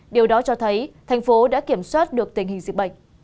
điều đó cho thấy thành phố đã kiểm soát được tình hình dịch bệnh